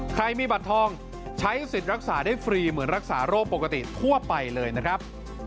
ใครมีบัตรทองใช้สิทธิ์รักษาได้ฟรีเหมือนรักษาโรคปกติทั่วไปเลยนะครับ